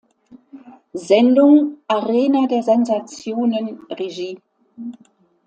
Sendung "Arena der Sensationen" Regie.